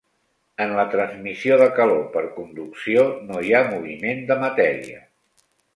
En la transmissió de calor per conducció no hi ha moviment de matèria.